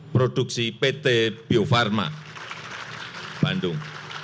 produksi pt bio farma bandung